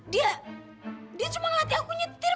dia dia cuma ngelatih aku nyetir